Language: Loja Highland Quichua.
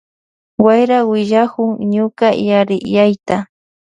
Wayra willachun ñuka yariyayta.